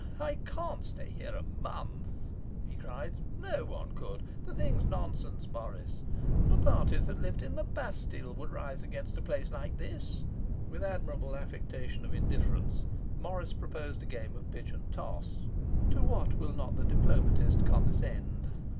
'I can't stay here a month,' he cried. 'No one could. The thing's nonsense, Morris. The parties that lived in the Bastille would rise against a place like this.' With an admirable affectation of indifference, Morris proposed a game of pitch and toss. To what will not the diplomatist condescend!